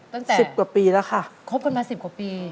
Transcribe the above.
ตั้งแต่คบกันมา๑๐กว่าปีแล้วค่ะตั้งแต่